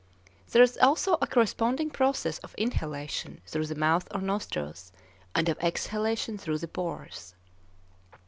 There is also a corresponding process of inhalation through the mouth or nostrils, and of exhalation through the pores.